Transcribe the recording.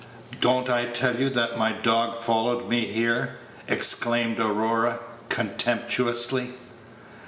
"Don't I tell you that my dog followed me here?" exclaimed Aurora, contemptuously.